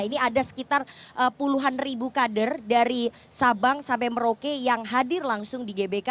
ini ada sekitar puluhan ribu kader dari sabang sampai merauke yang hadir langsung di gbk